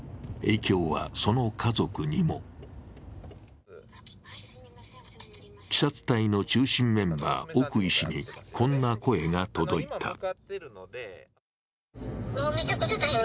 影響は、その家族にもＫＩＳＡ２隊の中心メンバー奥医師にこんな声が届いた。